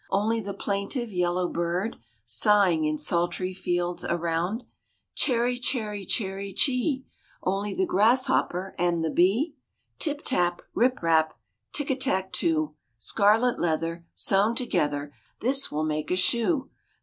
Only the plaintive yellow bird Sighing in sultry fields around, Chary, chary, chary, chee ee! Only the grasshopper and the bee? 'Tip tap, rip rap, Tick a tack too ! Scarlet leather, sewn together, This will make a shoe.